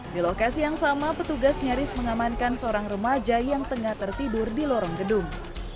di lokasi yang sama petugas nyaris mengamankan seorang remaja yang tengah tertidur di lorong gedung